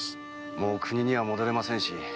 もう国には戻れませんし。